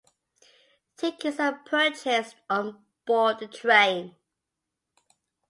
Tickets are purchased on board the train.